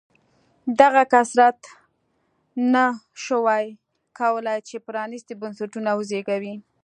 دغه کثرت نه شوای کولای چې پرانېستي بنسټونه وزېږوي.